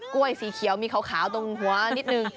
้วยสีเขียวมีขาวตรงหัวนิดนึง